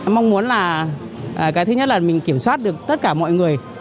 mong muốn là cái thứ nhất là mình kiểm soát được tất cả mọi người